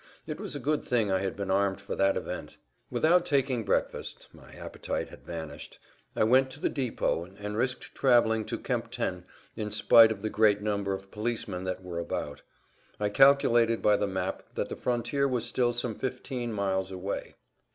It was a good thing I had been armed for that event. Without taking breakfast (my appetite had vanished) I went to the depot and risked traveling to[Pg 185] Kempten in spite of the great number of policemen that were about. I calculated by the map that the frontier was still some fifteen miles away.